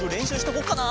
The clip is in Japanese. こうかな？